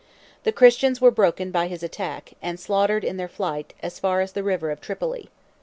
The Christians were broken by his attack, and slaughtered in their flight, as far as the river of Tripoli.